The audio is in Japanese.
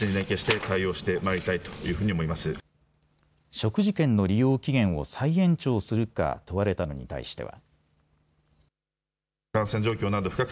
食事券の利用期限を再延長するか問われたのに対しては。